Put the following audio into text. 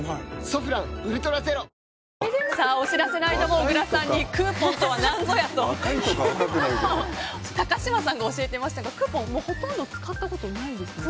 「ソフランウルトラゼロ」お知らせの間も小倉さんにクーポンとは何ぞやと高嶋さんが教えていましたがクーポンほとんど使ったことないんですね。